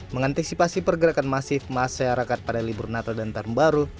mengantisipasi pergerakan masif masyarakat pada libur natal dan tahun baru